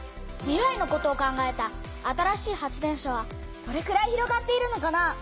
未来のことを考えた新しい発電所はどれくらい広がっているのかな？